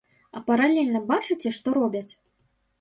А паралельна бачыце, што робяць!?